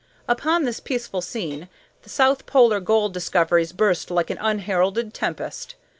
Upon this peaceful scene the south polar gold discoveries burst like an unheralded tempest.